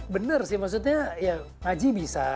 bener sih maksudnya ya ngaji bisa